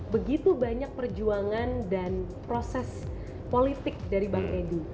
begitu banyak perjuangan dan proses politik dari bang edi